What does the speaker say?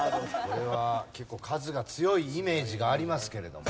これは結構カズが強いイメージがありますけれどもね。